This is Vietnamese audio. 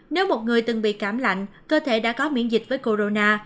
nếu một người từng bị cảm lạnh cơ thể đã có miễn dịch với corona